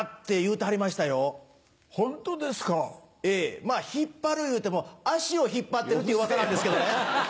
ええまぁ引っ張るいうても足を引っ張ってるってうわさなんですけどね。